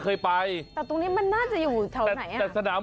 ขอบคุณครับ